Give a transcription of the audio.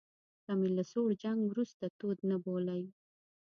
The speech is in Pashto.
که مې له سوړ جنګ وروسته تود نه بولئ.